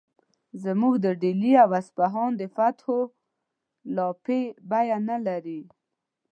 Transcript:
زموږ د ډیلي او اصفهان د فتحو لاپې بیه نه لري.